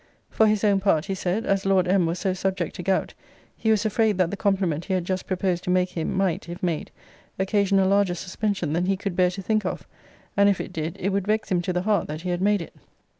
For his own part, he said, as Lord M. was so subject to gout, he was afraid, that the compliment he had just proposed to make him, might, if made, occasion a larger suspension than he could bear to think of; and if it did, it would vex him to the heart that he had made it.